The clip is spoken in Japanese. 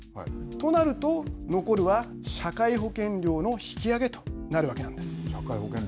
となると、残るは社会保険料の引き上げとなるわけなんです。